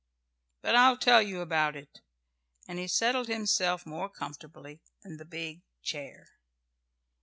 But I'll tell you about it," and he settled himself more comfortably in the big chair.